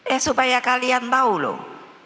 eh supaya kalian tahu loh